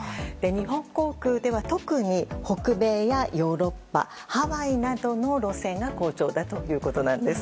日本航空では特に北米やヨーロッパハワイなどの路線が好調だということなんです。